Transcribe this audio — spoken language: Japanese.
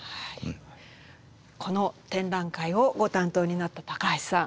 この展覧会をご担当になった高橋さん。